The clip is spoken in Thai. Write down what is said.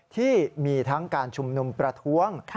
ที่มีทั้งการชุมนุมประท้วง